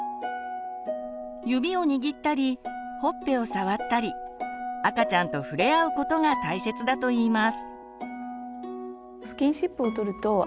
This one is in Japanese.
指を握ったりほっぺを触ったり赤ちゃんと触れ合うことが大切だといいます。